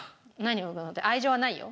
愛情はないよ。